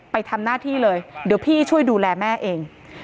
ไปทำหน้าที่เลยเดี๋ยวพี่ช่วยดูแลแม่เอง